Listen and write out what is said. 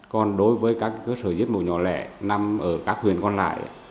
còn đối với các cơ sở giết mổ nhỏ lẻ nằm ở các huyện còn lại